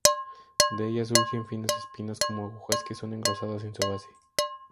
De ellas surgen finas espinas como agujas que son engrosadas en su base.